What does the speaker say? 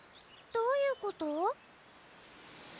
どういうこと？